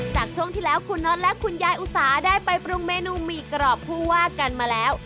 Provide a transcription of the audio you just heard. จากช่วงที่แล้วคุณน็อตและคุณยายอุสาได้ไปปรุงเมนูหมี่กรอบผู้ว่ากันมาแล้ว